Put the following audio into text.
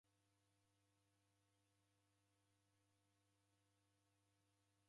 Uja mka ni kidoi kiw'iw'i loliloli.